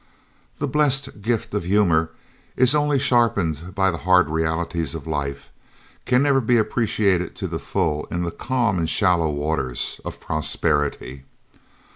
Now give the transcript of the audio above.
The blessed gift of humour is only sharpened by the hard realities of life, can never be appreciated to the full in the calm and shallow waters of prosperity.